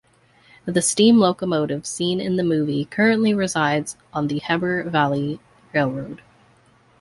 The steam locomotive seen in the movie currently resides on the Heber Valley Railroad.